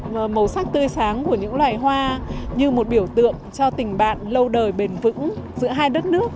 màu sắc tươi sáng của những loài hoa như một biểu tượng cho tình bạn lâu đời bền vững giữa hai đất nước